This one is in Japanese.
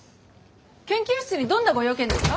研究室にどんなご用件ですか？